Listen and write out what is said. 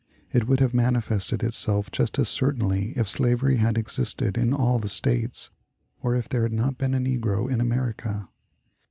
It would have manifested itself just as certainly if slavery had existed in all the States, or if there had not been a negro in America.